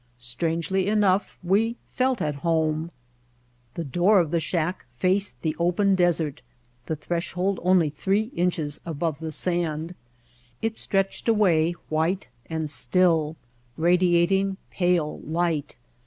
Strangely enough we felt at home. The door of the shack faced the open desert, the threshold only three inches above the sand. It stretched away white and still, radiating pale light.